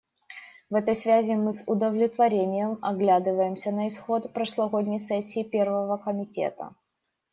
В этой связи мы с удовлетворением оглядываемся на исход прошлогодней сессии Первого комитета.